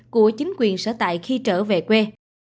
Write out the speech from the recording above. của chính quyền sở tại khi trở về quê